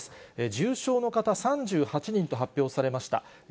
重症の方、３８人と発表されました。